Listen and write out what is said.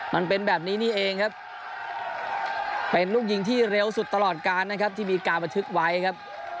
มันเป็นแบบนี้นี่เองครับเป็นลูกยิงที่เร็วสุดตลอดการนะครับที่มีการบันทึกไว้ครับ